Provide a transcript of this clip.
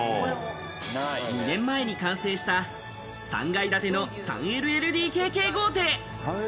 ２年前に完成した３階建ての３ＬＬＤＫＫ豪邸。